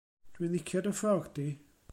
Dw i'n licio dy ffrog di.